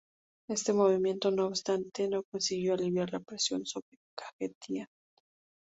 Este movimiento, no obstante, no consiguió aliviar la presión sobre Kajetia.